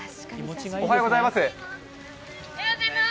おはようございまーす！